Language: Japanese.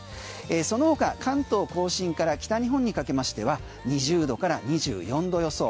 その他、関東・甲信から北日本にかけましては２０度から２４度予想。